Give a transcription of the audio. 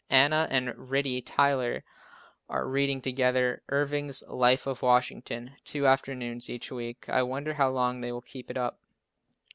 Anna and Ritie Tyler are reading together Irving's Life of Washington, two afternoons each week. I wonder how long they will keep it up.